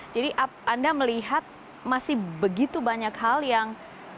jadi anda melihat masih begitu banyak hal yang